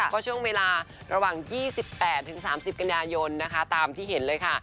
ก็ช่วงเวลาระหว่าง๒๘๓๐กันยายนนะคะตามที่เห็นเลยค่ะ